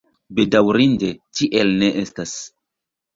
Bedaŭrinde, tiel ne estas.